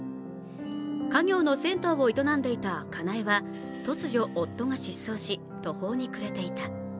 家業の銭湯を営んでいたかなえは突如、夫が失踪し、途方に暮れていた。